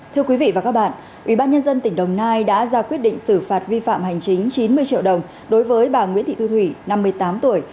thưa quý vị và các bạn ubnd tỉnh đồng nai đã ra quyết định xử phạt vi phạm hành chính chín mươi triệu đồng đối với bà nguyễn thị thu thủy năm mươi tám tuổi